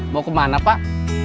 mau kemana pak